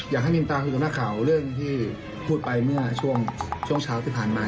มินตาคุยกับนักข่าวเรื่องที่พูดไปเมื่อช่วงเช้าที่ผ่านมา